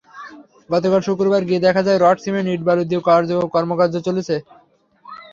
গতকাল শুক্রবার গিয়ে দেখা যায়, রড, সিমেন্ট, ইট, বালু দিয়ে কর্মযজ্ঞ চলছে।